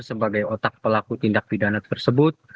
sebagai otak pelaku tindak pidana tersebut